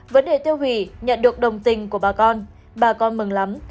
vấn đề tiêu hủy nhận được đồng tình của bà con bà con mừng lắm